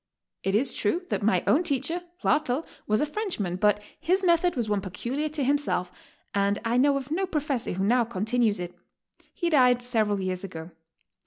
It is true that my own teacher, W^artel, was a Frenchman, but his method was one peculiar to himself, and I know of no professor who now continues it. He died several years ago.